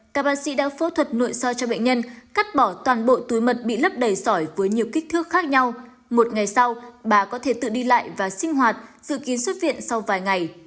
các bác sĩ đã phẫu thuật nội soi cho bệnh nhân cắt bỏ toàn bộ túi mật bị lấp đầy sỏi với nhiều kích thước khác nhau một ngày sau bà có thể tự đi lại và sinh hoạt dự kiến xuất viện sau vài ngày